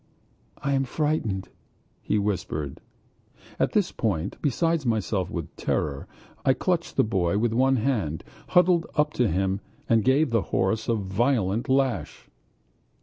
"I am frightened," he whispered. At this point, beside myself with terror, I clutched the boy with one hand, huddled up to him, and gave the horse a violent lash.